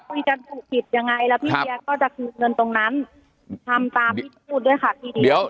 ผู้ผิดยังไงและพี่เจ๊ก็อยู่ตรงนั้นทำตามพี่พูดด้วยค่ะทีเดียว